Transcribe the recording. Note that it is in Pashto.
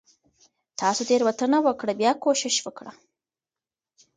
تاسو تيروتنه وکړه . بيا کوشش وکړه